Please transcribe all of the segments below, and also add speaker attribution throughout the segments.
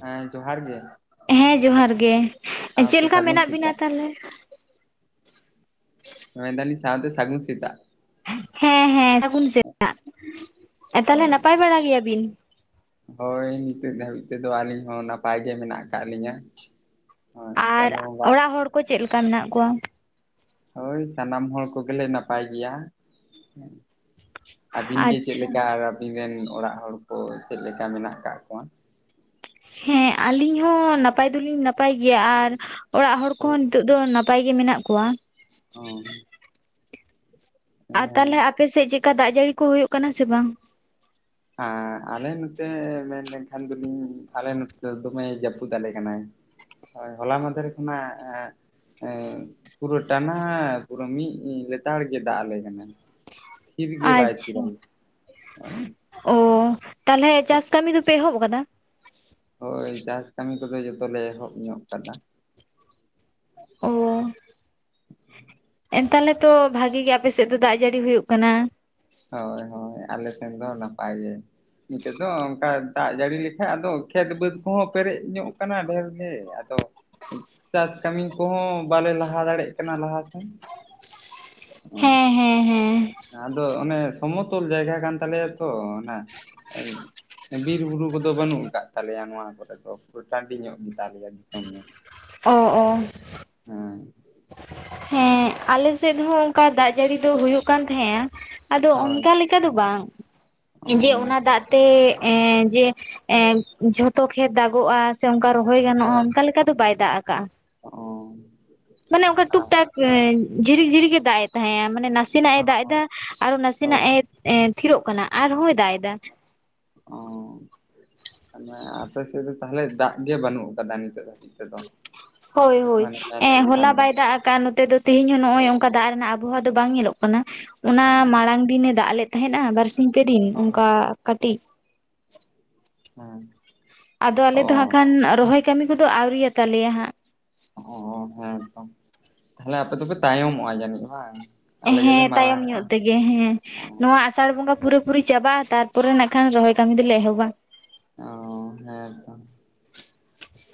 Speaker 1: ᱦᱮᱸ ᱡᱚᱦᱟᱨ ᱜᱮ
Speaker 2: ᱦᱮᱸ ᱡᱚᱦᱟᱨ ᱜᱮ ᱪᱮᱫ
Speaker 1: ᱥᱟᱶᱛᱮ
Speaker 2: ᱞᱮᱠᱟ
Speaker 1: ᱥᱟᱹᱜᱩᱱ
Speaker 2: ᱢᱮᱱᱟᱜ ᱵᱤᱱᱟ
Speaker 1: ᱥᱮᱛᱟᱜ
Speaker 2: ᱛᱟᱦᱞᱮ᱾ [inaudible]
Speaker 1: ᱢᱮᱱ ᱫᱟᱞᱤᱧ ᱥᱟᱶᱛᱮ ᱥᱟᱜᱩᱱ ᱥᱮᱛᱟᱜ
Speaker 2: ᱦᱮᱸ ᱦᱮᱸ ᱥᱟᱹᱜᱩᱱ ᱥᱮᱛᱟᱜ ᱛᱟᱦᱞᱮ
Speaker 1: ᱦᱳᱭ
Speaker 2: ᱱᱟᱯᱟᱭ ᱵᱟᱲᱟ ᱜᱮᱭᱟ ᱵᱤᱱ᱾
Speaker 1: ᱦᱳᱭ ᱱᱤᱛᱚᱜ ᱫᱷᱟᱹᱵᱤᱡ ᱛᱮᱫᱚ ᱟᱹᱞᱤᱧ ᱦᱚᱸ ᱱᱟᱯᱟᱭ ᱜᱮ ᱢᱮᱱᱟᱜ ᱟᱠᱟᱫ ᱞᱤᱧᱟᱹ ᱦᱳᱭ
Speaker 2: ᱟᱨ
Speaker 1: ᱪᱟᱸᱫᱳ ᱵᱚᱸᱜᱟ
Speaker 2: ᱚᱲᱟᱜ ᱦᱚᱲ ᱠᱚ ᱪᱮᱫ ᱞᱮᱠᱟ ᱢᱮᱱᱟᱜ ᱠᱚᱣᱟ?
Speaker 1: ᱦᱚᱭ ᱥᱟᱱᱟᱢ ᱦᱚᱲ ᱠᱚᱜᱮ ᱞᱮ ᱱᱟᱯᱟᱭ ᱜᱮᱭᱟ᱾ ᱟᱹᱵᱤᱱ ᱜᱮ ᱪᱮᱫ
Speaker 2: ᱟᱪᱪᱷᱟ
Speaker 1: ᱞᱮᱠᱟ ᱟᱨ ᱟᱵᱤᱱ ᱨᱮᱱ ᱚᱲᱟᱜ ᱦᱚᱲ ᱠᱚ ᱪᱮᱫᱞᱮᱠᱟ ᱢᱮᱱᱟᱜ ᱠᱟᱜ ᱠᱚᱣᱟ?
Speaker 2: ᱦᱮᱸ ᱟᱹᱞᱤᱧ ᱦᱚᱸ ᱱᱟᱯᱟᱭ ᱫᱚᱞᱤᱧ ᱱᱟᱯᱟᱭ ᱜᱮᱭᱟ ᱟᱨ ᱚᱲᱟᱜ ᱦᱚᱲ ᱠᱚᱦᱚᱸ ᱱᱤᱛᱚᱜ ᱫᱚ ᱱᱟᱯᱟᱭ ᱜᱮ ᱢᱮᱱᱟᱜ ᱠᱚᱣᱟ᱾
Speaker 1: [unintelligible]
Speaker 2: ᱟᱨ ᱛᱟᱦᱞᱮ
Speaker 1: ᱦᱮᱸ
Speaker 2: ᱟᱯᱮ ᱥᱮᱫ ᱪᱮᱫ ᱠᱟ ᱫᱟᱜ ᱡᱟᱹᱲᱤ ᱠᱚ ᱦᱩᱭᱩᱜ ᱠᱟᱱᱟ ᱥᱮ ᱵᱟᱝ?
Speaker 1: ᱦᱟᱸ ᱟᱞᱮ ᱱᱚᱛᱮ ᱢᱮᱱ ᱞᱮᱠᱷᱟᱱ ᱫᱚᱞᱤᱧ ᱟᱞᱮ ᱱᱚᱛᱮ ᱫᱚ ᱫᱚᱢᱮ ᱡᱟᱹᱯᱩᱫ ᱟᱞᱮ ᱠᱟᱱᱟᱭ᱾ ᱦᱳᱭ ᱦᱚᱞᱟ ᱢᱟᱫᱷᱮᱨ ᱠᱷᱚᱱᱟᱜ [unintelligible] ᱮᱸ ᱯᱩᱨᱟᱹ ᱴᱟᱱᱟ ᱯᱩᱨᱟᱹ ᱢᱤᱫ ᱞᱮᱛᱟᱲ ᱜᱮ ᱫᱟᱜ ᱟᱞᱮ ᱠᱟᱱᱟ ᱛᱷᱤᱨ ᱜᱮ ᱵᱟᱭ ᱛᱷᱤᱨ
Speaker 2: ᱟᱪᱪᱷᱟ
Speaker 1: ᱟᱞᱮ
Speaker 2: ᱚ ᱛᱟᱞᱦᱮ ᱪᱟᱥ ᱠᱟᱹᱢᱤ ᱫᱚᱯᱮ ᱮᱦᱚᱵᱽ ᱟᱠᱟᱫᱟ᱾
Speaker 1: ᱦᱳᱭ ᱪᱟᱥ ᱠᱟᱹᱢᱤ ᱠᱚᱫᱚ ᱡᱚᱛᱚ ᱞᱮ ᱮᱦᱚᱵᱽ ᱧᱚᱜ ᱠᱟᱫᱟ
Speaker 2: ᱚ ᱮᱱ ᱛᱟᱞᱦᱮ ᱛᱚ ᱵᱷᱟᱜᱤ ᱜᱮ ᱟᱯᱮ ᱥᱮᱫ ᱫᱚ ᱫᱟᱜ ᱡᱟᱹᱲᱤ ᱦᱩᱭᱩᱜ ᱠᱟᱱᱟ᱾
Speaker 1: ᱦᱚᱭ ᱦᱚᱭ ᱟᱞᱮ ᱥᱮᱱ ᱫᱚ ᱱᱟᱯᱟᱭ ᱜᱮ ᱱᱤᱛᱳ ᱫᱚ ᱚᱱᱠᱟ ᱫᱟᱜ ᱡᱟᱹᱲᱤ ᱞᱮᱠᱷᱟᱡ ᱟᱫᱚ ᱠᱷᱮᱛ ᱵᱟᱹᱫᱽ ᱠᱚᱦᱚᱸ ᱯᱮᱨᱮᱡ ᱧᱚᱜ ᱠᱟᱱᱟ, ᱰᱷᱮᱨ ᱜᱮ ᱟᱫᱚ ᱪᱟᱥ ᱠᱟᱹᱢᱤ ᱠᱚᱦᱚᱸ ᱵᱟᱞᱮ ᱞᱟᱦᱟ ᱫᱟᱲᱮᱜ ᱠᱟᱱᱟ ᱞᱟᱦᱟ ᱥᱮᱱ [unintelligible]
Speaker 2: ᱦᱮᱸ ᱦᱮᱸ ᱦᱮᱸ
Speaker 1: ᱟᱫᱚ ᱚᱱᱮ ᱥᱚᱢᱚᱛᱚᱞ ᱡᱟᱭᱜᱟ ᱠᱟᱱ ᱛᱟᱞᱮᱭᱟ ᱛᱚ ᱚᱱᱟ [unintelligible] ᱵᱤᱨ ᱵᱩᱨᱩ ᱠᱚᱫᱚ ᱵᱟᱹᱱᱩᱜ ᱠᱟᱜ ᱛᱟᱞᱮᱭᱟ ᱱᱚᱣᱟ ᱠᱚᱨᱮ ᱫᱚ ᱯᱩᱨᱟᱹ ᱴᱟᱺᱰᱤ ᱧᱚᱜ ᱜᱮ ᱛᱟᱞᱮᱭᱟ ᱫᱤᱥᱚᱢ [unintelligible]
Speaker 2: ᱚ [unintelligible]
Speaker 1: ᱦᱮᱸ
Speaker 2: ᱦᱮᱸ ᱟᱞᱮ ᱥᱮᱫ ᱦᱚᱸ ᱚᱱᱠᱟ ᱫᱟᱜ ᱡᱟᱹᱲᱤ ᱫᱚ ᱦᱩᱭᱩᱜ ᱠᱟᱱ ᱛᱟᱦᱮᱸᱜᱼᱟ ᱟᱫᱚ
Speaker 1: ᱦᱳᱭ
Speaker 2: ᱚᱱᱠᱟ ᱞᱮᱠᱟ ᱫᱚ ᱵᱟᱝ
Speaker 1: ᱚ
Speaker 2: ᱡᱮ ᱚᱱᱟ ᱫᱟᱜ ᱛᱮ ᱮᱸ ᱡᱮ ᱮᱸ ᱡᱷᱚᱛᱚ ᱠᱷᱮᱛ ᱫᱟᱜᱚᱜᱼᱟ᱾ ᱥᱮ ᱚᱱᱠᱟ ᱨᱚᱦᱚᱭ ᱜᱟᱱᱚᱜᱼᱟ
Speaker 1: ᱦᱳᱭ
Speaker 2: ᱚᱱᱠᱟ ᱞᱮᱠᱟ ᱫᱚ ᱵᱟᱭ ᱫᱟᱜ ᱠᱟᱜᱼᱟ ᱢᱟᱱᱮ ᱚᱱᱠᱟ
Speaker 1: ᱚ
Speaker 2: ᱴᱩᱠ ᱴᱟᱠ ᱮᱸ ᱡᱷᱤᱨᱤᱠᱼ ᱡᱷᱤᱨᱤᱠ ᱮ ᱫᱟᱜ ᱮ ᱛᱟᱦᱮᱸᱜ-ᱟ, ᱢᱟᱱᱮ ᱱᱟᱥᱮᱱᱟᱜ
Speaker 1: ᱟ
Speaker 2: ᱮ ᱫᱟᱜ
Speaker 1: ᱚ
Speaker 2: ᱮᱫᱟ ᱟᱨᱚ ᱱᱟᱥᱮᱱᱟᱜ
Speaker 1: ᱦᱳᱭ
Speaker 2: ᱮ ᱮᱸ ᱛᱷᱤᱨᱚᱜ ᱠᱟᱱᱟ ᱟᱨᱦᱚᱸᱭ ᱫᱟᱜ ᱮᱫᱟ [inaudible]
Speaker 1: ᱛᱟᱞᱦᱮ ᱟᱯᱮ ᱥᱮᱫ ᱫᱚ ᱛᱟᱦᱞᱮ ᱫᱟᱜ ᱜᱮ ᱵᱟᱹᱱᱩᱜ ᱟᱠᱟᱫᱟ ᱱᱤᱛᱚᱜ ᱫᱷᱟᱹᱵᱤᱡ ᱛᱮᱫᱚ
Speaker 2: ᱦᱳᱭ ᱦᱳᱭ
Speaker 1: ᱢᱟᱱᱮ
Speaker 2: ᱮᱸ
Speaker 1: ᱢᱮᱱᱠᱷᱟᱱ
Speaker 2: ᱦᱚᱞᱟ
Speaker 1: ᱫᱚ
Speaker 2: ᱵᱟᱭ ᱫᱟᱜ ᱠᱟᱜ-ᱟ ᱱᱚᱛᱮ ᱫᱚ ᱛᱮᱦᱮᱧ ᱦᱚᱸ ᱱᱚᱜ ᱚᱭ
Speaker 1: ᱦᱳᱭ
Speaker 2: ᱚᱱᱠᱟ ᱫᱟᱜ ᱨᱮᱱᱟᱜ ᱟᱵᱚᱦᱟᱣᱟ ᱫᱚ ᱵᱟᱝ ᱧᱮᱞᱚᱜ ᱠᱟᱱᱟ ᱚᱱᱟ
Speaker 1: ᱚ
Speaker 2: ᱢᱟᱲᱟᱝ ᱫᱤᱱᱮ ᱫᱟᱜ ᱞᱮᱫ ᱛᱟᱦᱮᱸᱫ ᱱᱟ ᱵᱟᱨᱥᱤ ᱛᱤᱱ ᱯᱮ ᱫᱤᱱ ᱚᱱᱠᱟ ᱠᱟᱴᱤᱡ
Speaker 1: ᱦᱮᱸ
Speaker 2: ᱟᱫᱚ ᱟᱞᱮᱫ ᱫᱚ ᱦᱟᱸᱜ ᱠᱷᱟᱱ
Speaker 1: ᱚ
Speaker 2: ᱨᱚᱦᱚᱭ ᱠᱟᱹᱢᱤ ᱠᱚᱫᱚ ᱟᱣᱨᱤ ᱭᱟᱛᱟᱞᱮᱭᱟ ᱦᱟᱸᱜ
Speaker 1: ᱚ ᱦᱮᱸ ᱛᱚ ᱛᱟᱦᱚᱞᱮ ᱟᱯᱮ ᱫᱚᱯᱮ ᱛᱟᱭᱚᱢ ᱢᱚᱜᱼᱟ ᱡᱟᱹᱱᱤᱡ ᱵᱟᱝ ᱟᱞᱮ
Speaker 2: ᱦᱮᱸ
Speaker 1: ᱜᱮᱞᱮ
Speaker 2: ᱛᱟᱭᱚᱢ
Speaker 1: ᱢᱟᱲᱟᱝᱚᱜᱼᱟ
Speaker 2: ᱧᱚᱜ ᱛᱮᱜᱮ ᱦᱮᱸ ᱱᱚᱣᱟ ᱟᱥᱟᱲ ᱵᱚᱸᱜᱟ ᱯᱩᱨᱟᱹ ᱯᱩᱨᱤ ᱪᱟᱵᱟᱜᱼᱟ ᱛᱟᱨ ᱯᱚᱨᱮ ᱱᱟᱜ ᱠᱷᱟᱱ ᱨᱚᱦᱚᱭ ᱠᱟᱹᱢᱤ ᱫᱚᱞᱮ ᱮᱦᱚᱵᱟ
Speaker 1: ᱚ ᱦᱮᱸ ᱛᱚ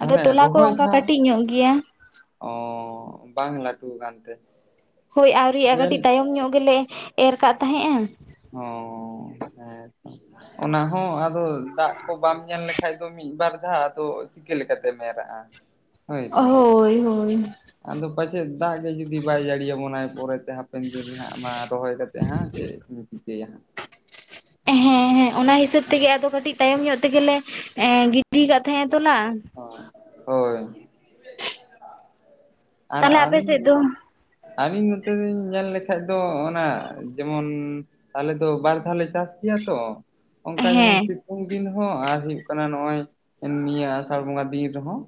Speaker 2: ᱟᱫᱚ ᱛᱚᱞᱟ ᱠᱚ ᱚᱱᱠᱟ
Speaker 1: ᱦᱟᱸᱜ
Speaker 2: ᱠᱟᱹᱴᱤᱡ ᱧᱚᱜ ᱜᱮᱭᱟ
Speaker 1: ᱚ ᱵᱟᱝ ᱞᱟᱹᱴᱩ ᱟᱠᱟᱱ ᱛᱮ
Speaker 2: ᱦᱳᱭ ᱟᱹᱣᱨᱤᱭᱟᱜᱼᱟ ᱠᱟᱹᱴᱤᱡ ᱛᱟᱭᱚᱢ ᱧᱚᱜ ᱜᱮᱞᱮ ᱮᱨ ᱠᱟᱜ ᱛᱟᱦᱮᱸᱜᱼᱟ
Speaker 1: ᱚ ᱦᱮᱸᱛᱚ ᱚᱱᱟ ᱦᱚᱸ ᱟᱫᱚ ᱫᱟᱜ ᱠᱚ ᱵᱟᱢ ᱧᱮᱞ ᱞᱮᱠᱷᱟᱡ ᱫᱚ ᱢᱤᱫ ᱵᱟᱨ ᱫᱷᱟᱣ ᱟᱫᱚ ᱪᱤᱠᱟᱹ ᱞᱮᱠᱟ ᱛᱮᱢ ᱮᱨᱟᱜᱼᱟ ᱦᱳᱭ ᱥᱮ
Speaker 2: ᱦᱳᱭ ᱦᱳᱭ
Speaker 1: ᱟᱫᱚ ᱯᱟᱪᱮᱫ ᱫᱟᱜ ᱜᱮ ᱡᱩᱫᱤ ᱵᱟᱭ ᱡᱟᱹᱲᱤᱭᱟᱵᱚ ᱱᱟᱭ ᱯᱚᱨᱮ ᱦᱟᱯᱮᱱ ᱫᱤᱱ ᱦᱟᱸᱜ ᱢᱟ ᱨᱚᱦᱚᱭ ᱠᱟᱛᱮᱫ ᱦᱟᱸᱜ ᱪᱮᱫ ᱵᱤᱱ ᱪᱤᱠᱟᱹᱭᱟ ᱦᱟᱸᱜ
Speaker 2: ᱦᱮᱸ ᱦᱮᱸ ᱚᱱᱟ ᱦᱤᱥᱟᱹᱵ
Speaker 1: ᱦᱟᱸᱜ
Speaker 2: ᱛᱮᱜᱮ ᱟᱫᱚ ᱠᱟᱹᱴᱤᱡ ᱛᱟᱭᱚᱢ ᱧᱚᱜ ᱛᱮᱜᱮ ᱞᱮ ᱜᱤᱛᱤ ᱟᱠᱟᱫ ᱛᱟᱦᱮᱸ ᱛᱚᱞᱟ
Speaker 1: ᱦᱳᱭ ᱟᱨ
Speaker 2: ᱛᱟᱦᱞᱮ ᱟᱯᱮ
Speaker 1: ᱟᱹᱵᱤᱱ
Speaker 2: ᱥᱮᱫ ᱫᱚ
Speaker 1: ᱟᱹᱞᱤᱧ ᱱᱚᱛᱮ ᱞᱤᱧ ᱧᱮᱞ ᱞᱮᱠᱷᱟᱡ ᱫᱚ ᱚᱱᱟ ᱡᱮᱢᱚᱱ ᱟᱞᱮ ᱫᱚ ᱵᱟᱨ ᱫᱷᱟᱣ ᱞᱮ ᱪᱟᱥ ᱜᱮᱭᱟ ᱛᱚ ᱚᱱᱠᱟ ᱡᱮᱢᱚᱱ
Speaker 2: ᱦᱮᱸ
Speaker 1: ᱥᱤᱛᱩᱝ ᱫᱤᱱ ᱦᱚᱸ ᱟᱨ ᱦᱩᱭᱩᱜ ᱠᱟᱱᱟ ᱠᱟᱱᱟ ᱱᱚᱜ ᱚᱭ ᱱᱤᱭᱟᱹ ᱟᱥᱟᱲ ᱵᱚᱸᱜᱟ ᱫᱤᱱ ᱨᱮᱦᱚᱸ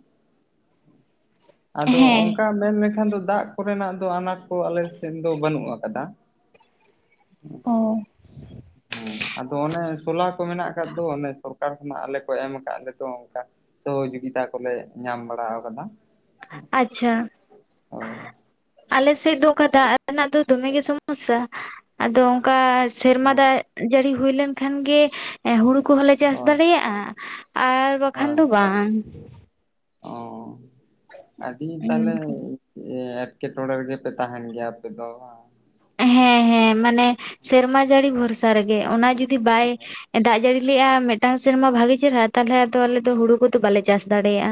Speaker 1: ᱟᱫᱚ
Speaker 2: ᱦᱮᱸ
Speaker 1: ᱚᱱᱠᱟ ᱢᱮᱱ ᱞᱮᱠᱷᱟᱱ ᱫᱚ ᱫᱟᱜ ᱠᱚᱨᱮ ᱱᱟᱜ ᱫᱚ ᱟᱱᱟᱴ ᱠᱚ ᱟᱞᱮ ᱥᱮᱫ ᱫᱚ ᱵᱟᱹᱱᱩᱜ ᱟᱠᱟᱫᱟ
Speaker 2: ᱚ
Speaker 1: ᱦᱮᱸ ᱟᱫᱚ ᱚᱱᱮ ᱥᱚᱞᱟ ᱠᱚ ᱢᱮᱱᱟᱜ ᱟᱠᱟᱫ ᱫᱚ ᱚᱱᱮ ᱥᱚᱨᱠᱟᱨ ᱠᱷᱚᱱᱟᱜ ᱟᱞᱮ ᱠᱚ ᱮᱢ ᱟᱠᱟᱫ ᱞᱮᱫᱚ ᱚᱱᱠᱟ ᱥᱚᱦᱚ ᱡᱩᱜᱤᱛᱟ ᱠᱚᱞᱮ ᱧᱟᱢ ᱵᱟᱲᱟ ᱟᱠᱟᱫᱟ
Speaker 2: ᱟᱪᱷᱟ
Speaker 1: ᱦᱳᱭ
Speaker 2: ᱟᱞᱮ ᱥᱮᱫ ᱫᱚ ᱚᱱᱠᱟ ᱫᱟᱜ ᱨᱮᱱᱟᱜ ᱫᱚ ᱫᱚᱢᱮ ᱜᱮ ᱥᱚᱢᱚᱥᱥᱟ ᱟᱫᱚ ᱚᱱᱠᱟ ᱥᱮᱨᱢᱟ ᱫᱟᱜ ᱡᱟᱹᱲᱤ ᱦᱩᱭ ᱞᱮᱱ ᱠᱷᱟᱱ ᱜᱮ ᱦᱩᱲᱩ ᱠᱚᱦᱚᱸ ᱞᱮ ᱪᱟᱥ
Speaker 1: ᱦᱳᱭ
Speaker 2: ᱫᱟᱲᱮᱭᱟᱜᱼᱟ ᱟᱨ ᱵᱟᱠᱷᱟᱱ
Speaker 1: ᱦᱳᱭ
Speaker 2: ᱫᱚ ᱵᱟᱝ
Speaker 1: ᱚ ᱟᱰᱤ ᱛᱟᱦᱚᱞᱮ ᱮᱴᱠᱮ ᱴᱚᱲᱮ ᱨᱮᱜᱮ ᱯᱮ ᱛᱟᱦᱮᱱ ᱜᱮᱭᱟ ᱟᱯᱮ ᱫᱚ ᱵᱟᱝ
Speaker 2: ᱦᱮᱸ ᱦᱮᱸ ᱢᱟᱱᱮ ᱥᱮᱨᱢᱟ ᱡᱟᱹᱲᱤ ᱵᱷᱚᱨᱥᱟ ᱨᱮᱜᱮ ᱚᱱᱟ ᱡᱩᱫᱤ ᱵᱟᱭ ᱫᱟᱜ ᱡᱟᱹᱲᱤ ᱞᱮᱼᱟ ᱢᱤᱫᱴᱟᱝ ᱥᱮᱨᱢᱟ ᱵᱷᱟᱜᱮ ᱪᱮᱦᱨᱟ ᱛᱟᱦᱞᱮ ᱟᱫᱚ ᱟᱞᱮ ᱫᱚ ᱦᱩᱲᱩ ᱠᱚᱫᱚ ᱵᱟᱞᱮ ᱪᱟᱥ ᱫᱟᱲᱮᱭᱟᱜᱼᱟ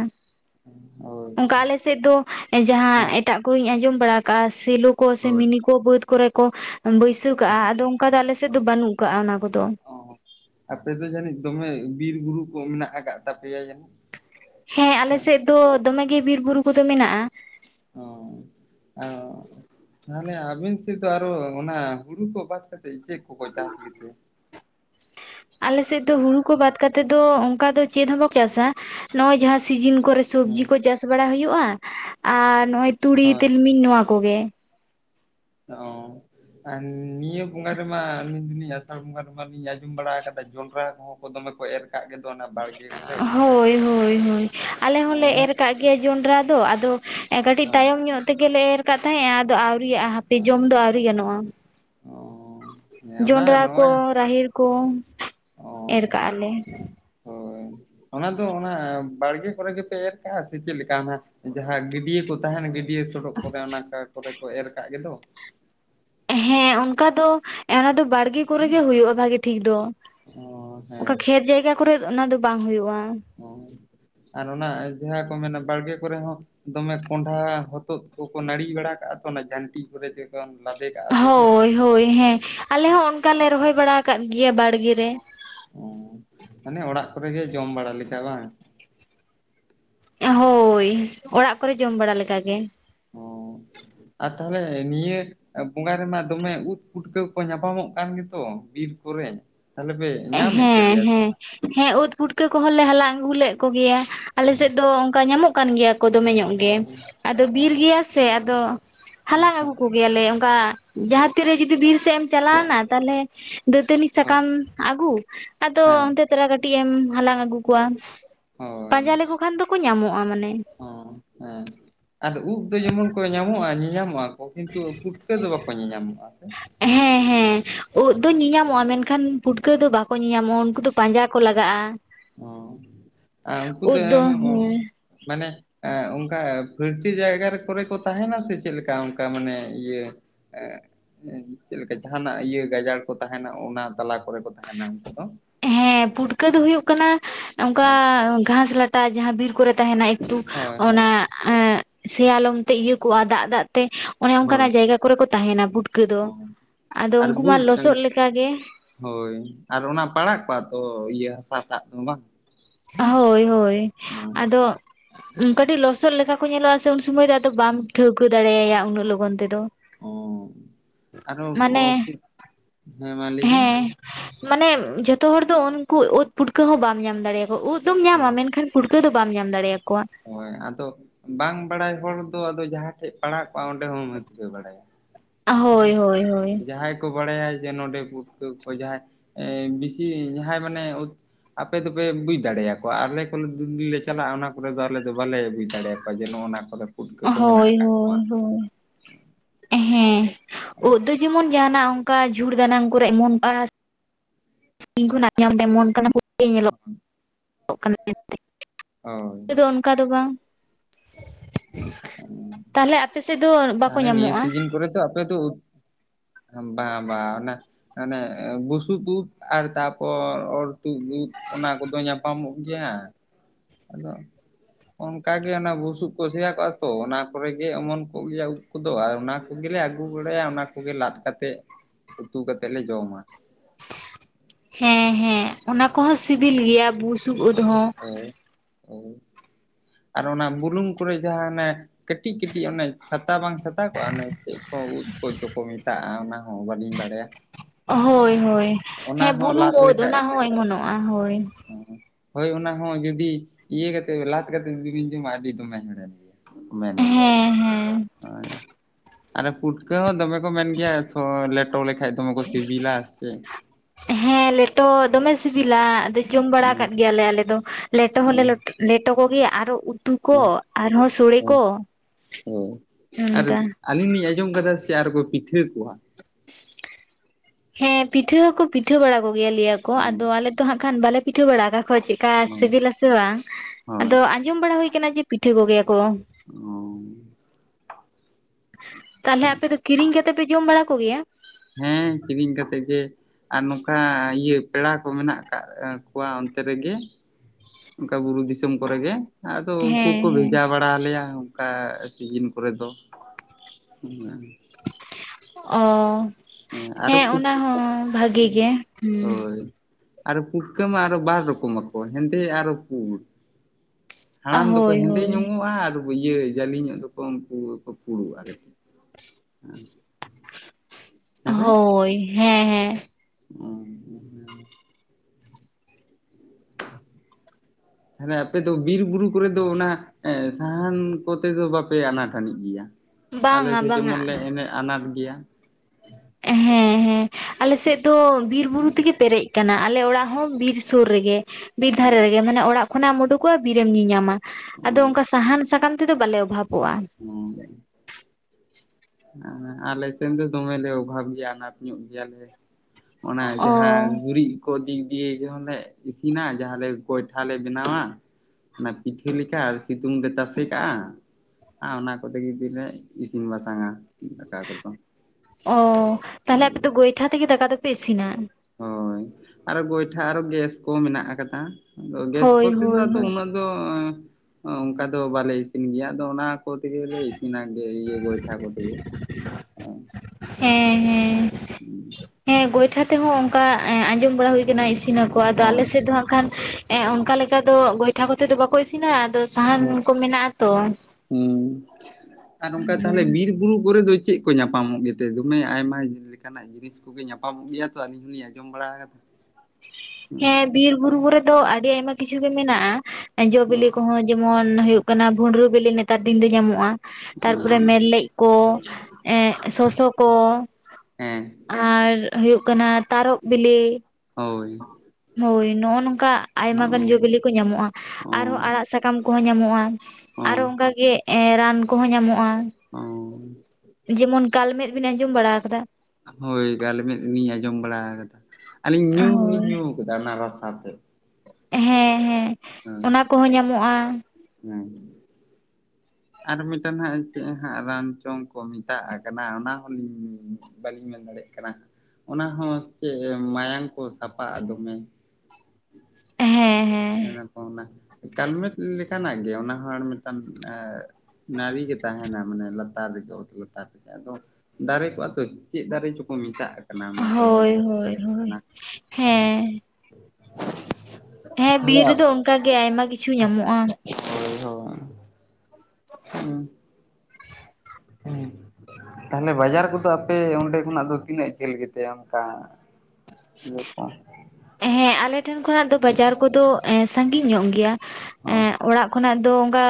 Speaker 1: ᱦᱳᱭ
Speaker 2: ᱚᱱᱠᱟ ᱟᱞᱮ ᱥᱮᱫ ᱫᱚ ᱡᱟᱦᱟᱸ
Speaker 1: ᱦᱮᱸ
Speaker 2: ᱮᱴᱟᱜ ᱠᱚᱨᱮᱧ ᱟᱸᱡᱚᱢ ᱵᱟᱲᱟ ᱠᱟᱫᱟ ᱟᱨ ᱥᱮᱞᱩ ᱠᱚ ᱥᱮ
Speaker 1: ᱦᱳᱭ
Speaker 2: ᱢᱤᱱᱤ ᱠᱚ ᱵᱟᱹᱫᱽ ᱠᱚᱨᱮ ᱠᱚ ᱵᱟᱹᱭᱥᱟᱹ ᱫᱤᱥᱟᱹᱣ ᱠᱟᱜᱼᱟ
Speaker 1: ᱦᱮᱸ
Speaker 2: ᱟᱫᱚ ᱚᱱᱠᱟ ᱫᱚ ᱟᱞᱮ ᱥᱮᱫ ᱫᱚ
Speaker 1: ᱦᱳᱭ
Speaker 2: ᱵᱟᱹᱱᱩᱜ ᱟᱠᱟᱜ-ᱟ ᱚᱱᱟ ᱠᱚᱫᱚ
Speaker 1: ᱚ ᱟᱯᱮ ᱫᱚ ᱡᱟᱹᱱᱤᱡ ᱫᱚᱢᱮ ᱵᱤᱨ ᱵᱩᱨᱩ ᱠᱚ ᱢᱮᱱᱟᱜ ᱟᱠᱟᱫ ᱛᱟᱯᱮᱭᱟ ᱡᱟᱱᱤᱡ
Speaker 2: ᱦᱮᱸ ᱟᱞᱮ ᱥᱮᱫ ᱫᱚ ᱫᱚᱢᱮ ᱜᱮ ᱵᱤᱨ ᱵᱩᱨᱩ ᱠᱚᱫᱚ ᱢᱮᱱᱟᱜᱼᱟ
Speaker 1: ᱚ [inaudible] ᱛᱟᱦᱞᱮ ᱟᱵᱤᱱ ᱥᱮᱫᱮᱫ ᱟᱨᱚ ᱚᱱᱟ ᱦᱩᱲᱩ ᱠᱚ ᱵᱟᱫ ᱠᱟᱛᱮᱫ ᱪᱮᱫ ᱠᱚᱯᱮ ᱪᱟᱥ ᱜᱮᱛᱮ?
Speaker 2: ᱟᱞᱮᱥᱮᱫ ᱫᱚ ᱦᱩᱲᱩ ᱠᱚ ᱵᱟᱫ ᱠᱟᱛᱮᱫ ᱫᱚ ᱚᱱᱠᱟ ᱫᱚ ᱪᱮᱫ ᱦᱚᱸᱵᱚ ᱪᱟᱥᱟ ᱱᱚᱜᱚᱭ ᱡᱟᱦᱟᱸ ᱥᱤᱡᱤᱱ ᱠᱚᱨᱮ
Speaker 1: ᱦᱮᱸ
Speaker 2: ᱥᱚᱵᱽᱡᱤ ᱠᱚ ᱪᱟᱥ ᱵᱟᱲᱟ ᱦᱩᱭᱩᱜᱼᱟ ᱟᱨ ᱱᱚᱜᱼᱚᱭ ᱛᱩᱲᱤ
Speaker 1: ᱦᱳᱭ
Speaker 2: ᱛᱤᱞᱢᱤᱧ ᱱᱚᱣᱟ ᱠᱚᱜᱮ
Speaker 1: ᱚ ᱟᱨ ᱱᱤᱭᱟᱹ ᱵᱚᱸᱜᱟ ᱨᱮᱢᱟ ᱟᱹᱞᱤ ᱫᱚᱞᱤᱧ ᱟᱥᱟᱲ ᱵᱚᱸᱜᱟ ᱨᱮᱢᱟ ᱟᱞᱤᱧ ᱟᱸᱡᱚᱢ ᱵᱟᱲᱟ ᱟᱠᱟᱫᱟ ᱡᱚᱸᱰᱨᱟ ᱠᱚᱦᱚᱸ ᱠᱚ ᱫᱚᱢᱮ ᱠᱚ ᱮᱨ [inaudible] ᱠᱷᱟᱜ ᱜᱮ ᱫᱚᱱᱟ [unintelligible] ᱟᱨᱲ ᱜᱮ ᱠᱚᱮ [inaudible]
Speaker 2: ᱦᱳᱭ ᱦᱳᱭ ᱦᱳᱭ ᱟᱞᱮ ᱦᱚᱸ ᱞᱮ
Speaker 1: ᱚᱱᱟ
Speaker 2: ᱮᱨ ᱠᱟᱜ ᱜᱮᱭᱟ ᱡᱚᱸᱰᱨᱟ ᱫᱚ ᱟᱫᱚ ᱠᱟᱹᱴᱤᱡ
Speaker 1: ᱦᱳᱭ
Speaker 2: ᱛᱟᱭᱚᱢ ᱧᱚᱜ ᱛᱮᱜᱮ ᱮᱨ ᱠᱟᱫ ᱛᱟᱦᱮᱜ-ᱟ ᱟᱫᱚ ᱟᱹᱣᱨᱤᱭᱟᱜᱼᱟ ᱦᱟᱯᱮ ᱡᱚᱢ ᱫᱚ ᱟᱹᱣᱨᱤ ᱜᱟᱱᱚᱜᱼᱟ
Speaker 1: ᱚ [inaudible]
Speaker 2: ᱡᱚᱱᱰᱨᱟ ᱠᱚ,
Speaker 1: ᱱᱚᱜᱼᱚᱭ
Speaker 2: ᱨᱟᱦᱮᱲ ᱠᱚ
Speaker 1: ᱚ
Speaker 2: ᱮᱨ ᱠᱟᱜᱼᱟ ᱞᱮ
Speaker 1: ᱦᱳᱭ ᱚᱱᱟ ᱫᱚ ᱚᱱᱟ ᱵᱟᱲᱜᱮ ᱠᱚᱨᱮ ᱜᱮᱯᱮ ᱮᱨ ᱠᱟᱜᱼᱟ ᱥᱮ ᱪᱮᱫᱞᱮᱠᱟ? ᱡᱟᱦᱟᱸ ᱜᱟᱹᱰᱭᱟᱹ ᱠᱚ ᱛᱟᱦᱮᱱ ᱜᱟᱹᱰᱭᱟᱹ ᱥᱚᱰᱚᱜ ᱠᱚᱨᱮ ᱚᱱᱟ ᱠᱚᱨᱮ ᱠᱚ ᱮᱨ ᱠᱟᱜ ᱜᱮᱫᱚ᱾
Speaker 2: ᱦᱮᱸ ᱚᱱᱠᱟ ᱫᱚ ᱚᱱᱟ ᱫᱚ ᱵᱟᱲᱜᱮ ᱠᱚᱨᱮ ᱜᱮ ᱦᱩᱭᱩᱜᱼᱟ ᱵᱷᱟᱜᱤ ᱴᱷᱤᱠ ᱫᱚ᱾
Speaker 1: ᱚ
Speaker 2: [inaudible] ᱚᱱᱠᱟ
Speaker 1: ᱦᱮᱸ
Speaker 2: ᱠᱷᱮᱛ ᱡᱟᱭᱜᱟ ᱠᱚᱨᱮ ᱚᱱᱟ ᱫᱚ ᱵᱟᱝ ᱦᱩᱭᱩᱜᱼᱟ᱾
Speaker 1: ᱚ ᱟᱨ ᱚᱱᱟ ᱡᱟᱦᱟᱸ ᱠᱚ ᱢᱮᱱᱟ ᱵᱟᱲᱜᱮ ᱠᱚᱨᱮ ᱦᱚᱸ ᱫᱚᱢᱮ ᱠᱚᱸᱰᱷᱟ ᱦᱚᱛᱚᱫ ᱠᱚᱠᱚ ᱱᱟᱹᱲᱤ ᱵᱟᱲᱟ ᱠᱟᱜᱼᱟ ᱛᱚ, ᱚᱱᱟ ᱡᱷᱟᱹᱱᱴᱤ ᱠᱚᱨᱮᱛᱮ ᱚᱱᱟ ᱞᱟᱫᱮ ᱠᱟᱜᱼᱟ ᱫᱚ ᱠᱚ?
Speaker 2: ᱦᱚᱭ ᱦᱮᱸ᱾ ᱟᱞᱮ ᱦᱚᱸ ᱚᱱᱠᱟ ᱞᱮ ᱨᱚᱦᱚᱭ ᱵᱟᱲᱟ ᱟᱠᱟᱫ ᱜᱮᱭᱟ ᱵᱟᱲᱜᱮ ᱨᱮ᱾
Speaker 1: ᱚ ᱢᱟᱱᱮ ᱚᱲᱟᱜ ᱠᱚᱨᱮᱜᱮ ᱡᱚᱢ ᱵᱟᱲᱟ ᱞᱮᱠᱟᱷᱟ ᱵᱟᱝ?
Speaker 2: ᱦᱳᱭ ᱚᱲᱟᱜ ᱠᱚᱨᱮ ᱡᱚᱢ ᱵᱟᱲᱟ ᱞᱮᱠᱟᱜᱮ᱾
Speaker 1: ᱚ ᱟᱨ ᱛᱟᱦᱚᱞᱮ ᱱᱤᱭᱟᱹ ᱵᱚᱸᱜᱟ ᱨᱮᱢᱟ ᱫᱚᱢᱮ ᱩᱫ ᱯᱩᱴᱠᱟᱹᱣ ᱠᱚ ᱧᱟᱯᱟᱢᱚᱜ ᱠᱟᱱ ᱜᱮᱛᱚ ᱵᱤᱨ ᱠᱚᱨᱮ ᱛᱟᱦᱞᱮ ᱯᱮ ᱧᱟᱢᱮᱫ
Speaker 2: ᱦᱮᱸ
Speaker 1: ᱠᱚᱜᱮᱭᱟ
Speaker 2: ᱦᱮᱸ ᱦᱮᱸ ᱩᱫ ᱯᱩᱴᱠᱟᱹ ᱠᱚᱦᱚᱸ ᱞᱮᱮ ᱦᱟᱞᱟᱝ ᱟᱹᱜᱩ ᱞᱮᱫ ᱠᱚᱜᱮᱭᱟ᱾ ᱟᱞᱮ ᱥᱮᱫ ᱫᱚ ᱚᱱᱠᱟ ᱧᱟᱢᱚᱜ ᱠᱟᱱ ᱜᱮᱭᱟ ᱠᱚ ᱫᱚᱢᱮ ᱧᱚᱜ ᱜᱮ᱾
Speaker 1: ᱦᱳᱭ
Speaker 2: ᱟᱫᱚ ᱵᱤᱨ ᱜᱮᱭᱟ ᱥᱮ ᱟᱫᱚ ᱦᱟᱞᱟᱝ ᱟᱹᱜᱩ ᱠᱚ ᱜᱮᱭᱟᱞᱮ, ᱚᱱᱠᱟ ᱡᱟᱦᱟᱸ ᱛᱤᱨ ᱨᱮ ᱡᱩᱫᱤ ᱵᱤᱨ ᱥᱮᱫ ᱮᱢ ᱪᱟᱞᱟᱣᱱᱟ ᱛᱟᱦᱚᱞᱮ ᱫᱟᱹᱛᱟᱹᱱᱤ
Speaker 1: ᱦᱳᱭ
Speaker 2: ᱥᱟᱠᱟᱢ ᱟᱹᱜᱩ ᱠᱚᱣᱟᱢ᱾ ᱟᱫᱚ
Speaker 1: ᱦᱮᱸ
Speaker 2: ᱚᱱᱛᱮ ᱛᱚᱲᱟ ᱠᱟᱹᱴᱤᱡ ᱮᱢ ᱦᱟᱞᱟᱝ ᱟᱹᱜᱩ ᱠᱚᱣᱟ
Speaker 1: ᱦᱳᱭ
Speaker 2: ᱯᱟᱸᱡᱟ ᱞᱮᱠᱚ ᱠᱷᱟᱱ ᱫᱚ ᱠᱚ ᱧᱟᱢᱚᱜᱼᱟ ᱢᱟᱱᱮ᱾
Speaker 1: ᱚ ᱦᱮᱸ ᱟᱨ ᱩᱫ ᱫᱚ ᱡᱮᱢᱚᱱ ᱠᱚ ᱧᱟᱢᱚᱜᱼᱟ ᱧᱮᱧᱟᱢᱚᱜᱼᱟ ᱠᱚ᱾ ᱠᱤᱱᱛᱩ ᱯᱩᱴᱠᱟᱹ ᱫᱚ ᱵᱟᱠᱚ ᱧᱮᱧᱟᱢᱚᱜᱼᱟ᱾
Speaker 2: ᱦᱮᱸ ᱦᱮᱸ ᱦᱮᱸ ᱩᱫ ᱫᱚ ᱧᱮᱧᱟᱢᱚᱜᱼᱟ, ᱢᱮᱱᱠᱷᱟᱱ ᱯᱩᱴᱠᱟᱹ ᱫᱚ ᱵᱟᱠᱚ ᱧᱮᱧᱟᱢᱚᱜᱼᱟ ᱩᱱᱠᱩ ᱫᱚ ᱯᱟᱸᱡᱟ ᱠᱚ ᱞᱟᱜᱟᱜᱼᱟ᱾
Speaker 1: ᱚ ᱟᱨ ᱩᱱᱠᱩ ᱫᱚ
Speaker 2: ᱩᱫ
Speaker 1: ᱮᱢ
Speaker 2: ᱦᱮᱸ
Speaker 1: ᱢᱟᱱᱮ ᱮ ᱚᱱᱠᱟ ᱯᱷᱟᱹᱨᱪᱟᱹ ᱡᱟᱭᱜᱟ ᱠᱚᱨᱮ ᱠᱚ ᱛᱟᱦᱮᱱᱟ ᱥᱮ ᱪᱮᱫᱞᱠᱟ ᱚᱱᱠᱟ ᱢᱟᱱᱮ ᱤᱭᱟᱹ? ᱟᱨ ᱪᱮᱫᱞᱠᱟ ᱡᱟᱦᱟᱸᱱᱟᱜ ᱤᱭᱟᱹ ᱜᱟᱡᱟᱲ ᱠᱚ ᱛᱟᱦᱮᱱᱟ ᱚᱱᱟ ᱛᱟᱞᱟ ᱠᱚᱨᱮ ᱠᱚ ᱛᱟᱦᱮᱱᱟ ᱩᱱᱠᱩ ᱫᱚ?
Speaker 2: ᱦᱮᱸ ᱯᱩᱴᱠᱟᱹ ᱫᱚ ᱦᱩᱭᱩᱜ ᱠᱟᱱᱟ ᱚᱱᱠᱟ ᱜᱷᱟᱥ ᱞᱟᱴᱟ ᱡᱟᱦᱟᱸ ᱵᱤᱨ ᱠᱚᱨᱮ ᱛᱟᱦᱮᱱᱟ᱾ ᱮᱴᱩ
Speaker 1: ᱦᱳᱭ
Speaker 2: ᱚᱱᱟ
Speaker 1: ᱦᱳᱭ
Speaker 2: ᱥᱮᱭᱟᱞᱚᱢ ᱛᱮ ᱤᱭᱟᱹ ᱠᱚᱜᱼᱟ, ᱫᱟᱜ-ᱫᱟᱜ ᱛᱮ ᱚᱱᱮ
Speaker 1: ᱦᱳᱭ
Speaker 2: ᱚᱱᱠᱟᱱᱟᱜ ᱡᱟᱭᱜᱟ ᱠᱚᱨᱮ ᱠᱚ ᱛᱟᱦᱮᱱᱟ ᱜᱩᱴᱠᱟᱹ ᱫᱚ᱾
Speaker 1: ᱚ
Speaker 2: ᱟᱫᱚ
Speaker 1: ᱟᱨ
Speaker 2: ᱩᱱᱠᱩ ᱢᱟ
Speaker 1: ᱵᱩᱡ
Speaker 2: ᱞᱚᱥᱚᱫ ᱞᱮᱠᱟᱜ ᱜᱮ
Speaker 1: ᱦᱳᱭ ᱟᱨ ᱚᱱᱟ ᱯᱟᱲᱟᱜ ᱠᱚᱜᱼᱟ ᱛᱚ ᱤᱭᱟᱹ ᱦᱟᱥᱟᱴᱟᱜ ᱫᱚ ᱵᱟᱝ
Speaker 2: ᱦᱳᱭ ᱦᱳᱭ
Speaker 1: ᱚ
Speaker 2: ᱟᱫᱚ ᱠᱟᱹᱴᱤᱡ ᱞᱚᱥᱚᱫ ᱞᱮᱠᱟ ᱠᱚ ᱧᱮᱞᱚᱜᱼᱟ ᱥᱮ ᱩᱱ ᱥᱩᱢᱟᱹᱭ ᱫᱚ᱾ ᱫᱚ ᱵᱟᱢ ᱴᱷᱟᱹᱣᱠᱟᱹ ᱫᱟᱲᱮᱭᱟᱭᱟ ᱩᱱᱟᱹᱜ ᱞᱚᱜᱚᱱ ᱛᱮᱫᱚ᱾
Speaker 1: ᱚ ᱟᱨᱚ
Speaker 2: ᱢᱟᱱᱮ
Speaker 1: ᱦᱮᱸ ᱢᱟ ᱞᱟᱹᱭ ᱵᱤᱱ᱾
Speaker 2: ᱦᱮᱸ ᱢᱟᱱᱮ ᱡᱷᱚᱛᱚ ᱦᱚᱲ ᱫᱚ ᱩᱱᱠᱩ ᱩᱫ ᱯᱩᱴᱠᱟᱹᱣ ᱦᱚᱸ ᱵᱟᱢ ᱧᱟᱢ ᱫᱟᱲᱮᱭᱟᱠᱚᱣᱟ ᱩᱫ ᱫᱚᱢ
Speaker 1: ᱚ
Speaker 2: ᱧᱟᱢᱟ, ᱢᱮᱱᱠᱷᱟᱱ ᱴᱩᱲᱠᱟᱹᱣ ᱫᱚ ᱵᱟᱢ ᱧᱟᱢ ᱫᱟᱲᱮᱭᱟᱠᱚᱣᱟ᱾
Speaker 1: ᱦᱳᱭ ᱟᱫᱚ ᱵᱟᱝ ᱵᱟᱲᱟᱭ ᱦᱚᱲ ᱫᱚ ᱟᱫᱚ ᱡᱟᱦᱟᱸ ᱴᱷᱮᱡ ᱯᱟᱲᱦᱟᱜ ᱠᱚᱜᱼᱟ ᱚᱸᱰᱮ ᱦᱚᱢ ᱛᱤᱠᱟᱹᱣ ᱵᱟᱲᱟᱭᱟ᱾
Speaker 2: ᱦᱳᱭ ᱦᱳᱭ ᱦᱳᱭ
Speaker 1: [unintelligible] ᱡᱟᱦᱟᱸᱭ ᱠᱚ ᱵᱟᱲᱟᱭᱟ ᱡᱮ ᱱᱚᱸᱰᱮ ᱯᱩᱴᱠᱟᱹ ᱠᱚ ᱡᱟᱦᱟᱸᱭ ᱵᱮᱥᱤ ᱡᱟᱦᱟᱸᱭ ᱢᱟᱱᱮ ᱟᱯᱮ ᱫᱚᱯᱮ ᱵᱩᱡᱽ ᱫᱟᱲᱮᱭᱟᱠᱚᱣᱟ᱾ ᱟᱞᱮ ᱠᱚᱞᱮ ᱫ ᱞᱮ ᱪᱟᱞᱟᱜᱼᱟ, ᱚᱱᱟ ᱠᱚᱨᱮᱚ ᱟᱞᱮᱚ ᱵᱟᱞᱮ ᱵᱩᱡᱽ ᱫᱟᱲᱮᱭᱟᱠᱚᱣᱟ᱾ ᱯᱟᱪᱮ ᱱᱚᱜᱱᱚᱣᱟᱻᱟ ᱠᱚᱨᱮ ᱯᱩᱴᱠᱟᱹ ᱠᱚ ᱢᱮᱱᱟᱜ
Speaker 2: ᱦᱳᱭ
Speaker 1: ᱟᱠᱟᱫ
Speaker 2: ᱦᱳᱭ
Speaker 1: ᱠᱚᱣᱟ
Speaker 2: ᱦᱳᱭ ᱦᱮᱸ ᱤᱫ ᱫᱚ ᱡᱮᱢᱚᱱ ᱡᱟᱦᱟᱱᱟᱜ ᱚᱱᱠᱟ ᱡᱷᱩᱲ ᱫᱟᱱᱟᱝ ᱠᱚᱨᱮ ᱮᱢᱚᱱ ᱠᱟᱜ, [unintelligible] ᱤᱧ ᱧᱮᱞ ᱧᱟᱢ ᱮᱢᱚᱱ ᱠᱟᱱᱟ [unintelligible]
Speaker 1: [inaudible] ᱦᱳᱭ
Speaker 2: [unintelligible] ᱱᱤᱛ ᱫᱚ ᱚᱱᱠᱟ ᱫᱚ ᱵᱟᱝ, [inaudible] ᱛᱟᱦᱚᱞᱮ ᱟᱯᱮ ᱥᱮ
Speaker 1: ᱛᱟᱦᱚᱞᱮ ᱱᱤᱭᱟᱹ ᱥᱤᱡᱤᱱ ᱠᱚᱨᱮ ᱛᱚ ᱟᱯᱮ ᱫᱚ ᱵᱟᱝ ᱵᱟᱝ ᱚᱱᱟ ᱢᱟᱱᱮ ᱵᱩᱥᱩᱵᱩᱫ ᱟᱨ ᱛᱟᱯᱚᱨ ᱚᱨ ᱛᱩᱫ ᱩᱫ ᱚᱱᱟ ᱠᱚᱫᱚ ᱧᱟᱯᱟᱢᱚᱜ ᱜᱮᱭᱟ᱾ ᱟᱫᱚ ᱚᱱᱠᱟᱟᱜᱮ ᱚᱱᱟ ᱵᱩᱥᱩᱵ ᱠᱚ ᱥᱮᱭᱟ ᱠᱚᱜᱼᱟ ᱛᱚ ᱚᱱᱟ ᱠᱚᱨᱮᱜ ᱜᱮ ᱚᱢᱚᱱ ᱠᱚ ᱜᱮᱭᱟ ᱩᱫ ᱠᱩᱫᱚ ᱟᱨ ᱚᱱᱟ ᱠᱚᱜᱮ ᱟᱹᱜᱩ ᱵᱟᱲᱟᱭᱟ ᱚᱱᱟ ᱠᱚᱜᱮ ᱞᱟᱫ ᱠᱟᱛᱮᱫ ᱩᱛᱩ ᱠᱟᱛᱮᱫ ᱞᱮ ᱡᱚᱢᱟ᱾
Speaker 2: ᱦᱮᱸ ᱦᱮᱸ ᱚᱱᱟ ᱠᱚᱦᱚᱸ ᱥᱤᱵᱤᱞ ᱜᱮᱭᱟ ᱵᱩᱥᱩᱵ ᱩᱫ ᱦᱚᱸ
Speaker 1: ᱦᱳᱭ ᱦᱳᱭ ᱟᱨ ᱚᱱᱟ ᱵᱩᱞᱩᱝ ᱠᱚᱨᱮ ᱡᱟᱦᱟᱸ ᱚᱱᱮ ᱠᱟᱹᱴᱤᱡ ᱠᱟᱹᱴᱤᱡ ᱚᱱᱮ ᱪᱷᱟᱛᱟ ᱵᱟᱝ ᱪᱷᱟᱛᱟ ᱠᱚᱜᱼᱟ ᱚᱱᱮ ᱪᱮᱫ ᱠᱚ ᱩᱫ ᱠᱚᱪᱚ ᱠᱚ ᱢᱮᱛᱟᱜᱼᱟ ᱚᱱᱟ ᱦᱚᱸ ᱵᱟᱹᱞᱤᱧ ᱵᱟᱲᱟᱭᱟ
Speaker 2: ᱦᱳᱭ ᱦᱳᱭ
Speaker 1: ᱚᱱᱟ
Speaker 2: ᱦᱮᱸ
Speaker 1: ᱦᱚᱸ
Speaker 2: ᱵᱩᱱᱩᱢ
Speaker 1: ᱞᱟᱫ
Speaker 2: ᱩᱫ
Speaker 1: ᱞᱮᱠᱷᱟᱡ
Speaker 2: ᱚᱱᱟ ᱦᱚᱸ ᱚᱢᱚᱱᱚᱜᱼᱟ ᱦᱳᱭ
Speaker 1: ᱦᱳᱭ ᱚᱱᱟ ᱦᱚᱸ ᱡᱩᱫᱤ ᱤᱭᱟᱹ ᱠᱟᱛᱮ ᱞᱟᱛ ᱠᱟᱛᱮ ᱡᱩᱫᱤ ᱵᱤᱱ ᱡᱚᱢᱟ ᱟᱹᱰᱤ ᱫᱚᱢᱮ ᱦᱮᱲᱮᱱ ᱜᱮᱭᱟ ᱢᱮᱱ ᱜᱮᱭᱟ
Speaker 2: ᱦᱮᱸ ᱦᱮᱸ
Speaker 1: ᱦᱳ ᱟᱨᱮ ᱯᱩᱴᱠᱟᱹ ᱦᱚᱸ ᱫᱚᱢᱮ ᱠᱚ ᱢᱮᱱ ᱜᱮᱭᱟ ᱛᱚ ᱞᱮᱴᱚ ᱞᱮᱠᱷᱟᱡ ᱫᱚᱢᱮ ᱠᱚ ᱥᱤᱵᱤᱞᱟ ᱥᱮ
Speaker 2: ᱦᱮᱸ ᱞᱮᱴᱚ ᱫᱚᱢᱮ ᱥᱤᱵᱤᱞᱟ ᱟᱫᱚ ᱡᱚᱢ ᱵᱟᱲᱟ ᱟᱠᱟᱫ
Speaker 1: ᱦᱳᱭ
Speaker 2: ᱜᱮᱭᱟᱞᱮ ᱟᱞᱮ ᱫᱚ ᱞᱮᱴᱚ ᱦᱚᱸᱞᱮ ᱞᱮᱴᱚ ᱠᱚ ᱜᱤᱭᱟ ᱟᱨᱚ ᱩᱫ ᱩᱛᱩ ᱠᱚ ᱟᱨᱦᱚᱸ ᱥᱚᱲᱮ ᱠᱚ
Speaker 1: ᱟᱨ
Speaker 2: ᱚᱱᱠᱟ
Speaker 1: ᱟᱹᱞᱤᱧ ᱞᱤᱧ ᱟᱸᱡᱚᱢ ᱟᱠᱟᱫᱟ ᱥᱮ ᱟᱨ ᱠᱚ ᱯᱤᱴᱷᱟᱹ ᱠᱚᱣᱟ
Speaker 2: ᱦᱮᱸ ᱯᱤᱴᱷᱟᱹ ᱦᱚᱸᱠᱚ ᱯᱤᱴᱷᱟᱹ ᱵᱟᱲᱟ ᱠᱚᱜᱮᱭᱟ ᱞᱮᱭᱟ ᱠᱚ ᱟᱫᱚ ᱟᱞᱮ ᱛᱚ ᱦᱟᱸᱜ ᱠᱷᱟᱱ ᱵᱟᱞᱮ ᱯᱤᱴᱷᱟᱹ ᱵᱟᱲᱟ ᱟᱠᱟᱫ ᱠᱷᱚ ᱪᱮᱫᱮᱠᱟ ᱥᱤᱵᱤᱞᱟᱥᱮ ᱵᱟᱝ
Speaker 1: ᱦᱳᱭ
Speaker 2: ᱟᱫᱚ ᱡᱚᱢ ᱵᱟᱲᱟ ᱦᱩᱭ ᱟᱠᱟᱱᱟ ᱡᱮ ᱯᱤᱴᱷᱟᱹ ᱠᱚᱜᱮᱭᱟ ᱠᱚ
Speaker 1: [inaudible]
Speaker 2: ᱛᱟᱦᱞᱮ ᱟᱯᱮ ᱫᱚ ᱠᱤᱨᱤᱧ ᱠᱟᱛᱮ ᱯᱮ ᱡᱚᱢ ᱵᱟᱲᱟ ᱠᱚᱜᱮᱭᱟ
Speaker 1: ᱦᱮᱸ ᱠᱤᱨᱤᱧ ᱠᱟᱛᱮᱫ ᱜᱮ ᱟᱨ ᱱᱚᱝᱠᱟ ᱤᱭᱟᱹ ᱯᱮᱲᱟ ᱠᱚ ᱢᱮᱱᱟᱜ ᱟᱠᱟᱫ ᱠᱚᱣᱟ ᱚᱱᱛᱮ ᱨᱮᱜᱮ ᱚᱱᱠᱟ ᱵᱩᱨᱩ ᱫᱤᱥᱚᱢ ᱠᱚᱨᱮ ᱜᱮ ᱟᱫᱚ ᱩᱱᱠᱩ
Speaker 2: ᱦᱮᱸ
Speaker 1: ᱠᱚ
Speaker 2: ᱦᱮᱸ
Speaker 1: ᱵᱷᱮᱡᱟ ᱵᱟᱲᱟᱼᱟ ᱯᱲᱟᱣᱞᱮᱭᱟ ᱚᱱᱠᱟ ᱥᱤᱡᱤᱱ ᱠᱚᱨᱮ ᱫᱚ
Speaker 2: ᱚ
Speaker 1: ᱟᱨᱚ
Speaker 2: ᱦᱮᱸ
Speaker 1: ᱯᱩᱴ
Speaker 2: ᱚᱱᱟ ᱦᱚᱸ ᱵᱷᱟᱜᱤ ᱜᱮ ᱦᱮᱸ
Speaker 1: ᱦᱳᱭ ᱟᱨ ᱯᱩᱠᱟᱹ ᱢᱟ ᱟᱨᱚ ᱵᱟᱨ ᱨᱚᱠᱚᱢ ᱟᱠᱚ ᱦᱮᱸᱫᱮ ᱟᱨᱚ ᱯᱩᱸᱰ ᱦᱟᱲᱟᱢ ᱫᱚᱠᱚ
Speaker 2: ᱦᱳᱭ
Speaker 1: ᱦᱮᱸᱫᱮ
Speaker 2: ᱦᱳᱭ
Speaker 1: ᱧᱚᱜᱚᱜᱼᱟ ᱟᱫᱚ ᱤᱭᱟᱹ ᱡᱟᱞᱤᱧ ᱧᱚᱜ ᱫᱚᱠᱚ ᱩᱱᱠᱩ ᱯᱷᱩᱲᱩᱜᱼᱟ ᱠᱟᱹᱴᱤᱡ ᱦᱮᱸ
Speaker 2: ᱦᱳᱭ ᱦᱮᱸ ᱦᱮᱸ
Speaker 1: ᱩᱸ ᱛᱟᱦᱚᱞᱮ ᱟᱯᱮ ᱫᱚ ᱵᱤᱨ ᱵᱩᱨᱩ ᱠᱚᱨᱮ ᱫᱚ ᱚᱱᱟ ᱮ ᱥᱟᱦᱟᱱ ᱠᱚᱛᱮ ᱫᱚ ᱵᱟᱯᱮ ᱟᱱᱟᱴ ᱟᱹᱱᱤᱡ ᱜᱮᱭᱟ ᱟᱞᱮ
Speaker 2: ᱵᱟᱝᱟ
Speaker 1: ᱫᱚ
Speaker 2: ᱵᱟᱝᱟ
Speaker 1: ᱡᱮᱢᱚᱱ ᱞᱮ ᱮᱱᱮ ᱟᱱᱟᱴ ᱜᱮᱭᱟ
Speaker 2: ᱦᱮᱸ ᱦᱮᱸ ᱟᱞᱮᱥᱮᱫ ᱫᱚ ᱵᱤᱨ ᱵᱩᱨᱩ ᱛᱮᱜᱮ ᱯᱮᱨᱮᱡ ᱟᱠᱟᱱᱟ ᱟᱞᱮ ᱚᱲᱟᱜ ᱦᱚᱸ ᱵᱤᱨ ᱥᱩᱨ ᱨᱮᱜᱮ ᱵᱤᱨ ᱫᱷᱟᱨᱮ
Speaker 1: ᱚ
Speaker 2: ᱨᱮᱜᱮ ᱢᱟᱱᱮ ᱚᱲᱟᱜ ᱠᱷᱚᱱᱟᱜ ᱮᱢ ᱩᱰᱩᱠᱚᱜᱼᱟ ᱵᱤᱨ ᱨᱮᱢ ᱧᱮᱧᱟᱢᱟ
Speaker 1: ᱚ
Speaker 2: ᱟᱫᱚ ᱚᱱᱠᱟ ᱥᱟᱦᱟᱱ ᱥᱟᱠᱟᱢ ᱛᱮᱫᱚ ᱵᱟᱞᱮ ᱚᱵᱷᱟᱵᱚᱜᱼᱟ ᱾
Speaker 1: ᱚ ᱦᱮ ᱟᱞᱮ ᱥᱮᱱ ᱫᱚ ᱫᱚᱢᱮ ᱚᱵᱷᱟᱵ ᱜᱮᱭᱟ ᱟᱱᱟᱴ‌ ᱧᱚᱜ ᱜᱮᱭᱟᱞᱮ ᱚᱱᱟᱮ
Speaker 2: ᱚ
Speaker 1: ᱡᱟᱦᱟᱸ ᱜᱩᱨᱤᱡ ᱠᱚ ᱫᱤᱠ ᱫᱤᱭᱮ ᱡᱮ ᱞᱮ ᱤᱥᱤᱱᱟ ᱡᱟᱦᱟᱸᱮ ᱠᱚᱚᱭᱴᱷᱟ ᱞᱮ ᱵᱮᱱᱟᱣᱟ ᱚᱱᱟ ᱯᱤᱴᱷᱟᱹ ᱞᱮᱠᱟ ᱥᱤᱛᱩᱝ ᱞᱮ ᱛᱟᱥᱮ ᱠᱟᱜᱼᱟ ᱟᱨ ᱚᱱᱟ ᱠᱚᱛᱮᱜᱮ ᱜᱮᱞᱮ ᱤᱥᱤᱱ ᱵᱟᱥᱟᱝ ᱟ ᱫᱟᱠᱟ ᱠᱚᱫᱚ
Speaker 2: ᱚ ᱛᱟᱦᱞᱮ ᱟᱯᱮ ᱫᱚᱚ ᱜᱚᱭᱴᱷᱟ ᱛᱮᱜᱮ ᱫᱟᱠᱟ ᱫᱚᱯᱮ ᱤᱥᱤᱱᱟ᱾
Speaker 1: ᱦᱳᱭ ᱟᱨᱚ ᱜᱚᱭᱴᱷᱟ ᱟᱨᱚ ᱜᱮᱥ ᱠᱚ ᱢᱮᱱᱟᱜ ᱟᱠᱟᱫᱟ ᱟᱫᱚ ᱜᱮᱥ ᱠᱚ
Speaker 2: ᱦᱳᱭ
Speaker 1: ᱛᱮᱫᱚ
Speaker 2: ᱦᱳᱭ ᱦᱳᱭ
Speaker 1: ᱩᱱᱟᱹᱜ ᱫᱚ ᱚᱱᱠᱟ ᱫᱚ ᱵᱟᱞᱮ ᱤᱥᱤᱱ ᱜᱮᱭᱟ ᱟᱫᱚ ᱚᱱᱟ ᱠᱚ ᱛᱮ ᱜᱮ ᱞᱮ ᱤᱥᱤᱱ ᱜᱮ ᱤᱭᱟᱹ ᱜᱚᱭᱴᱷᱟ ᱠᱚ ᱛᱮ ᱜᱮ
Speaker 2: ᱦᱮᱸ ᱦᱮᱸ
Speaker 1: [inaudible]
Speaker 2: ᱦᱮᱸ ᱜᱚᱭᱴᱷᱟ ᱛᱮᱦᱚᱸ ᱚᱱᱠᱟᱸ ᱟᱸᱡᱚᱢ ᱵᱟᱲᱟ ᱦᱩᱭ ᱟᱠᱟᱱᱟ ᱤᱥᱤᱱᱟ ᱠᱚ ᱟᱫᱚ
Speaker 1: ᱦᱳᱭ
Speaker 2: ᱟᱞᱮᱥᱮᱫ ᱫᱚ ᱦᱟᱸᱜ ᱠᱷᱟᱱ ᱚᱱᱠᱟ ᱞᱮᱠᱟ ᱫᱚ ᱜᱚᱭᱴᱷᱟ ᱠᱚᱛᱮ ᱫᱚ ᱵᱟᱠᱚ ᱤᱥᱤᱱᱟ ᱟᱫᱚ ᱥᱟᱦᱟᱱ ᱠᱚ ᱢᱮᱱᱟᱜᱼᱟ ᱟ ᱛᱚ
Speaker 1: ᱦᱮᱸ ᱟᱨ ᱝᱠᱟ ᱛᱟᱦᱚᱞᱮ ᱵᱤᱨ ᱵᱩᱨᱩ ᱠᱚᱨᱮ ᱫᱚ ᱪᱮᱫ ᱠᱚ ᱧᱟᱯᱟᱢᱚᱜ ᱜᱮᱛᱮ [unintelligible] ᱧᱟᱯᱟᱢᱚᱜ ᱜᱮᱭᱟ ᱛᱚ [unintelligible]
Speaker 2: ᱦᱮᱸ ᱵᱤᱨ ᱵᱩᱨᱩ ᱠᱚᱨᱮ ᱫᱚ ᱟᱹᱰᱤ ᱟᱭᱢᱟ ᱠᱤᱪᱷᱩ ᱜᱮ ᱢᱮᱱᱟᱜᱼᱟ ᱡᱚᱼᱵᱤᱞᱤ ᱠᱚᱦᱚᱸ ᱡᱮᱢᱚᱱ ᱦᱩᱭᱩᱜ ᱠᱟᱱᱟ ᱵᱷᱩᱸᱰᱨᱩ ᱵᱤᱞᱤ ᱱᱮᱛᱟᱨ ᱫᱤᱱ ᱫᱚ ᱧᱟᱢᱚᱜᱼᱟ ᱛᱟᱨᱯᱚᱨᱮ ᱢᱮᱨᱞᱮᱜ ᱠᱚ ᱮᱸ ᱥᱚᱥᱚ ᱠᱚ
Speaker 1: ᱦᱮᱸ
Speaker 2: ᱟᱨ ᱦᱩᱭᱩᱜ ᱠᱟᱱᱟ ᱛᱟᱨᱚᱵ ᱵᱤᱞᱤ
Speaker 1: ᱦᱳᱭ
Speaker 2: ᱦᱳᱭ ᱱᱚᱜᱼᱚᱭ ᱱᱚᱝᱠᱟ ᱟᱭᱢᱟ ᱜᱟᱱ
Speaker 1: ᱚ
Speaker 2: ᱡᱚᱼᱵᱤᱞᱤ ᱠᱚ ᱧᱟᱢᱚᱜᱼᱟ
Speaker 1: ᱚ
Speaker 2: ᱟᱨᱦᱚᱸ ᱟᱲᱟᱜ ᱥᱟᱠᱟᱢ ᱥᱟᱠᱟᱢ ᱠᱚᱦᱚᱸ ᱧᱟᱢᱚᱜᱼᱟ
Speaker 1: ᱚ
Speaker 2: ᱟᱨᱚ ᱚᱝᱠᱟ ᱜᱮ ᱨᱟᱱ ᱠᱚᱦᱚᱸ ᱧᱟᱢᱚᱜᱼᱟ
Speaker 1: ᱟᱭᱻ
Speaker 2: ᱡᱮᱢᱚᱱ ᱠᱟᱞᱢᱮᱫ ᱵᱤᱱ ᱟᱸᱡᱚᱢ ᱵᱟᱲᱟ ᱟᱠᱟᱫᱟ
Speaker 1: ᱦᱳᱭ ᱠᱟᱞᱢᱮᱫ ᱞᱤᱧ ᱟᱸᱡᱚᱢ ᱵᱟᱲᱟ ᱠᱟᱫᱟ ᱟᱹᱞᱤᱧ ᱧᱩ ᱦᱚᱸᱞᱤᱧ
Speaker 2: ᱦᱳᱭ
Speaker 1: ᱧᱩ ᱠᱟᱫᱟ ᱚᱱᱟ ᱨᱟᱥᱟ ᱛᱮᱫ
Speaker 2: ᱦᱮᱸ ᱦᱮᱸ
Speaker 1: ᱦᱮᱸ
Speaker 2: ᱚᱱᱟ ᱠᱚᱦᱚᱸ ᱧᱟᱢᱚᱜᱼᱟ
Speaker 1: ᱦᱮᱸ ᱟᱨ ᱢᱤᱫᱴᱟᱱ ᱦᱟᱸᱜ ᱪᱮᱫ ᱦᱟᱸᱜ ᱨᱟᱱ ᱪᱚᱝ ᱠᱚ ᱢᱮᱛᱟᱜ ᱠᱟᱱᱟ ᱚᱱᱟ ᱦᱚᱸᱞᱤᱧ ᱵᱟ. ᱞᱤᱧ ᱢᱮᱱ ᱫᱟᱲᱮᱭᱟᱜ ᱠᱟᱱᱟ ᱚᱱᱟ ᱦᱚᱸ ᱪᱮᱫ ᱢᱟᱭᱟᱝ ᱠᱚ ᱥᱟᱯᱷᱟᱜ ᱫᱚ ᱢᱮᱱᱮ
Speaker 2: ᱦᱮᱸ ᱦᱮᱸ
Speaker 1: ᱚᱱᱟᱠᱚ ᱚᱱᱟ ᱠᱟᱞᱢᱮᱫ ᱞᱮᱠᱟᱱᱟᱜ ᱜᱮ ᱚᱱᱟᱦᱚ ᱟᱨ ᱢᱤᱫ ᱴᱟᱱ ᱮᱻ ᱱᱟᱹᱨᱤ ᱜᱮ ᱛᱟᱦᱮᱸᱱᱟ ᱢᱟᱱᱮ ᱞᱟᱛᱟᱨ ᱨᱮᱫᱚ ᱞᱟᱛᱟᱨ ᱨᱮᱜᱮ ᱟᱫᱚ ᱫᱟᱨᱮ ᱠᱚᱼᱟ ᱛᱚ ᱪᱮᱫ ᱫᱟᱨᱮ ᱪᱚᱠᱚ ᱢᱮᱛᱟᱜᱼᱟ?
Speaker 2: ᱦᱳᱭ ᱦᱳᱭ ᱦᱳᱭ ᱦᱮᱸ ᱦᱮᱸ
Speaker 1: ᱛᱟᱦᱚᱞᱮ
Speaker 2: ᱵᱤᱨ ᱨᱮᱫᱚ ᱚᱝᱠᱟ ᱜᱮ ᱟᱭᱢᱟ ᱠᱤᱪᱷᱩ ᱧᱟᱢᱚᱜᱼᱟ
Speaker 1: ᱦᱳᱭ ᱦᱳᱭ ᱦᱩᱸ
Speaker 2: [inaudible]
Speaker 1: ᱛᱟᱦᱞᱮ ᱵᱟᱡᱟᱨ ᱠᱚᱫᱚ ᱟᱯᱮ ᱚᱸᱰᱮ ᱠᱷᱚᱱᱟᱜ ᱫᱚ ᱛᱤᱱᱟᱹᱜ ᱡᱷᱟᱹᱞ ᱜᱮᱛᱮ ᱚᱱᱠᱟ? ᱤᱭᱟᱹ ᱠᱚ
Speaker 2: ᱦᱮᱸ ᱟᱞᱮ ᱴᱷᱮᱱ ᱠᱷᱚᱱᱟᱜ ᱫᱚ ᱵᱟᱡᱟᱨ ᱠᱚᱫᱚ ᱥᱟᱸᱜᱤᱧ ᱧᱚᱜ ᱜᱮᱭᱟ
Speaker 1: ᱦᱳᱭ
Speaker 2: ᱮᱸ ᱚᱲᱟᱜ ᱠᱷᱚᱱᱟᱜ ᱫᱚ ᱚᱝᱠᱟ